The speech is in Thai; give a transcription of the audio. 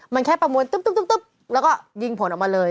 มันแค่ประมวลตึ๊บแล้วก็ยิงผลออกมาเลย